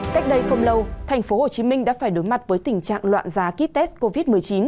cách đây không lâu thành phố hồ chí minh đã phải đối mặt với tình trạng loạn giá ký test covid một mươi chín